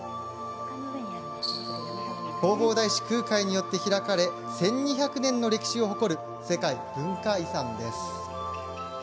弘法大師・空海によって開かれ１２００年の歴史を誇る世界文化遺産です。